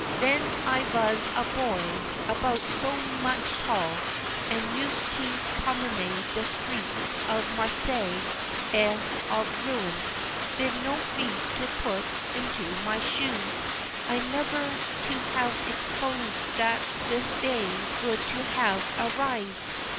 Ven I vas a boy, about so moch tall, and used for to promenade de streets of Marseilles et of Rouen, vid no feet to put onto my shoe, I nevare to have exposé dat dis day vould to have arrivé.